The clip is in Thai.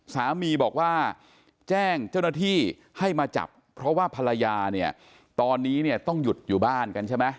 สามีบอกว่าแจ้งเจ้าหน้าที่ให้มาจับเพราะว่าภรรยาเนี่ยตอนนี้เนี่ยต้องหยุดอยู่บ้านกันใช่ไหม